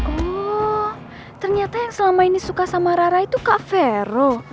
oh ternyata yang selama ini suka sama rara itu kak vero